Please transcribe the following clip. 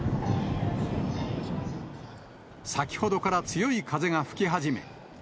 先ほどから強い風が吹き始め。